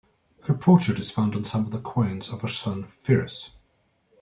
Her portrait is found on some of the coins of her son Pyrrhus.